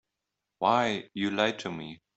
Why, you lied to me.